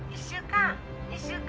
☎１週間？